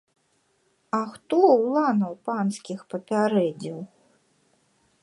А хто уланаў панскіх папярэдзіў?